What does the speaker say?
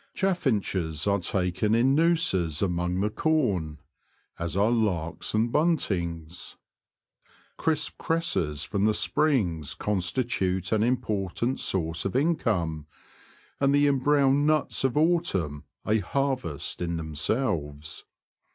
Chaffinches are taken in nooses among the corn, as are larks and buntings. Crisp cresses from the springs constitute an important source of income, and the embrowned nuts of autumn a harvest in themselves.